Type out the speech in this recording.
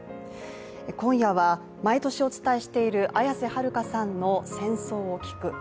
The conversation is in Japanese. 今夜は、毎年お伝えしている綾瀬はるかさんの「『戦争』を聞く」。